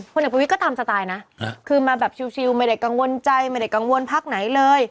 เด็กประวิทย์ก็ตามสไตล์นะคือมาแบบชิลไม่ได้กังวลใจไม่ได้กังวลพักไหนเลย